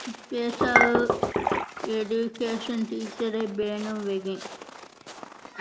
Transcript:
ސްޕެޝަލް އެޑިޔުކޭޝަން ޓީޗަރެއް ބޭނުންވެގެން